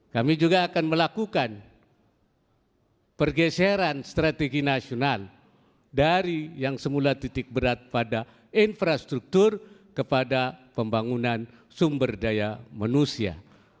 kami juga akan melakukan pergeseran strategi nasional dari yang semula titik berat pada infrastruktur kepada pembangunan sumber daya manusia